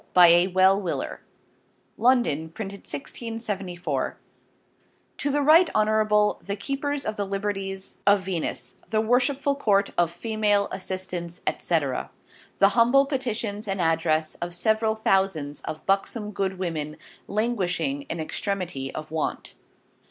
By a Well willer London, Printed 1674. <<p.1>> To the Right Honorable the Keepers of the Liberties of Venus; The Worshipful Court of Female Assistants, &c. The Humble Petition and Address of several Thousands of Buxome Good Women, Languishing in Extremity of Want.